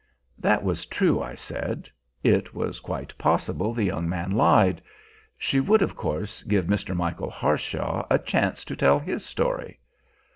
That was true, I said. It was quite possible the young man lied. She would, of course, give Mr. Michael Harshaw a chance to tell his story.